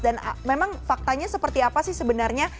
dan memang faktanya seperti apa sih sebenarnya